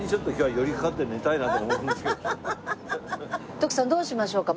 徳さんどうしましょうか？